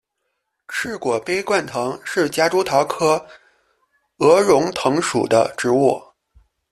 翅果杯冠藤是夹竹桃科鹅绒藤属的植物。